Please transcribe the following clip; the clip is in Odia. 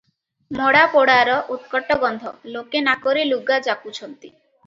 ମଡ଼ା ପୋଡ଼ାର ଉତ୍କଟ ଗନ୍ଧ, ଲୋକେ ନାକରେ ଲୁଗା ଯାକୁଛନ୍ତି ।